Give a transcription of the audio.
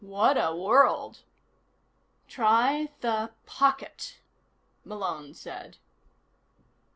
What a world." "Try the pocket," Malone said.